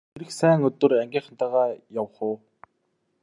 Ирэх сайн өдөр ангийнхантайгаа явах уу!